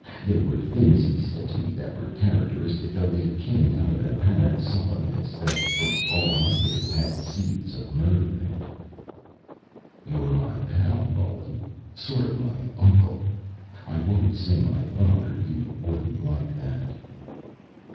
There were things he said to me that were characteristic, though they came out of apparent sullenness that, for all I knew, had seeds of murder in it: "You're my pal, Nolan. Sort of my uncle. I won't say my father; you wouldn't like that."